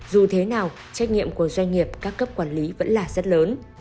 dù thế nào trách nhiệm của doanh nghiệp các cấp quản lý vẫn là rất lớn